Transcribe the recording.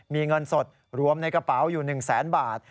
มีเงินสดรวมในกระเป๋าอยู่๑แสนบาท